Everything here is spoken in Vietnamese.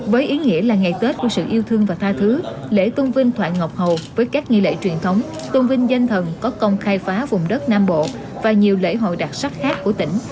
với ý nghĩa là ngày tết của sự yêu thương và tha thứ lễ tôn vinh thoại ngọc hầu với các nghi lễ truyền thống tôn vinh danh thần có công khai phá vùng đất nam bộ và nhiều lễ hội đặc sắc khác của tỉnh